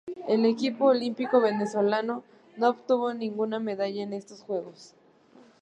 El equipo olímpico venezolano no obtuvo ninguna medalla en estos Juegos.